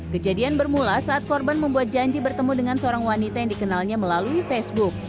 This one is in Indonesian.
kejadian bermula saat korban membuat janji bertemu dengan seorang wanita yang dikenalnya melalui facebook